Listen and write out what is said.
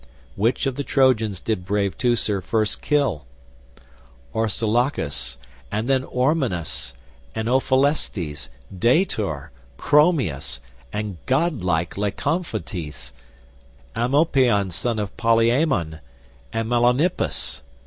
Which of the Trojans did brave Teucer first kill? Orsilochus, and then Ormenus and Ophelestes, Daetor, Chromius, and godlike Lycophontes, Amopaon son of Polyaemon, and Melanippus.